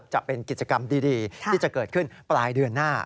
จะเป็นกิจกรรมดีที่จะเกิดขึ้นปลายเดือนหน้า